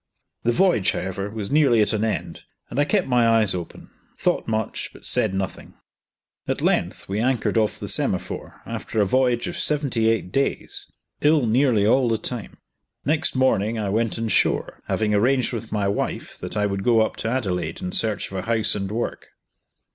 The voyage, however, was nearly at an end, and I kept my eyes open; thought much, but said nothing, At length we anchored off the Semaphore after a voyage of seventy eight days, ill nearly all the time. Next morning I went on shore, having arranged with my wife that I would go up to Adelaide in search of a house and work.